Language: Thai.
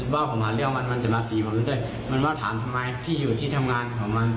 ว่าผมหาเรื่องมันมันจะมาตีมันด้วยมันว่าถามทำไมที่อยู่ที่ทำงานของมัน